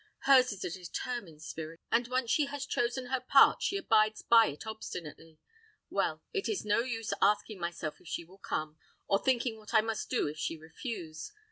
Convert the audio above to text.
Hers is a determined spirit; and once she has chosen her part, she abides by it obstinately. Well, it is no use asking myself if she will come, or thinking what I must do if she refuse.